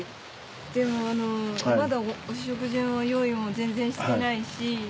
でもあのまだお食事の用意も全然してないし。